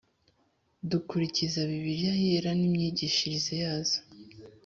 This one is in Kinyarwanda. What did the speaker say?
dukulikiza Bibiliya Yera n imyigishirize yose